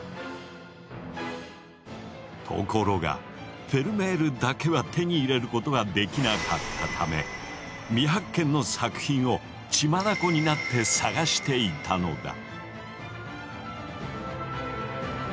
ところがフェルメールだけは手に入れることができなかったため未発見の作品を血眼になって捜していたのだ。